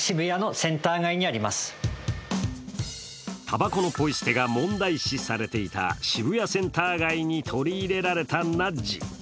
たばこのポイ捨てが問題視されていた渋谷センター街に取り入れられたナッジ。